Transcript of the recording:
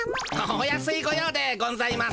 お安いご用でゴンざいます。